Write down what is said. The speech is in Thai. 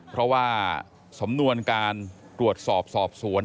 เพราะว่าสำนวนการตรวจสอบสอบสวน